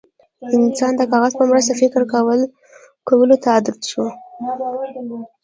انسان د کاغذ په مرسته فکر کولو ته عادت شو.